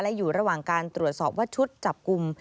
และอยู่ระหว่างการตรวจสอบว่าชุดจับกลุ่ม